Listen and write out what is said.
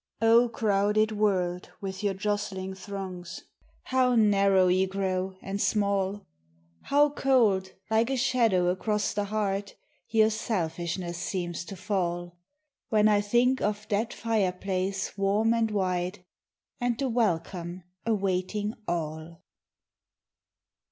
Oh, crowded world with your jostling throngs! How narrow you grow, and small; How cold, like a shadow across the heart, Your selfishness seems to fall, When I think of that fireplace warm and wide, And the welcome awaiting all.